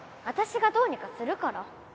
私がどうにかするから